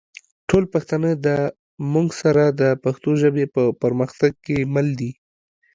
ټول پښتانه دا مونږ سره د پښتو ژبې په پرمختګ کې مل دي